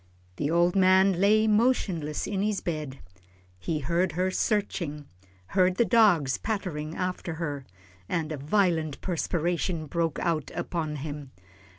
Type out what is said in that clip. The old man lay motionless in his bed. He heard her searching, heard the dogs pattering after her, and a violent perspiration broke out upon him.